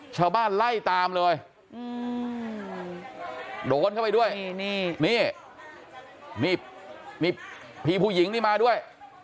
ชาวบ้านไล่ตามเลยโดนเข้าไปด้วยนี่นี่พี่ผู้หญิงนี่มาด้วย